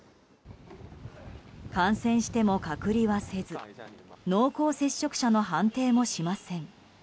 感染しても隔離はせず濃厚接触者の判定もしません。